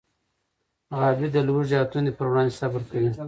غابي د لوږې او تندې پر وړاندې صبر کوي.